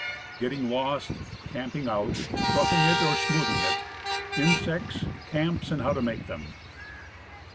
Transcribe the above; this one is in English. GETTING LOST. CAMPING OUT. ROUGHING IT OR SMOOTHING IT. INSECTS. CAMPS, AND HOW TO MAKE THEM.